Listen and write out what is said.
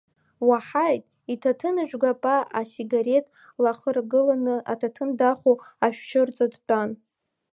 Уаҳаид, иҭаҭынжәга па асигарет лахаргыланы, аҭаҭын дахо, ашәшьырҵа дтәан.